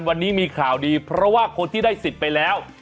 วันนี้มีข่าวดีเพราะว่าคนที่ได้สิทธิ์ไปแล้ว